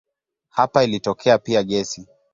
Hapa ilitokea pia gesi.